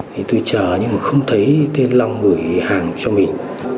thì tôi chờ nhưng mà không thấy tên long gửi hàng cho mình